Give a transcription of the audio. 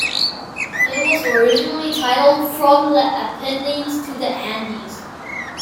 It was originally titled "From the Apennines to the Andes".